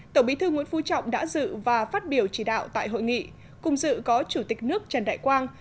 tổng bí thư nguyễn phú trọng đã dự và phát biểu chỉ đạo tại hội nghị cùng dự có chủ tịch nước trần đại quang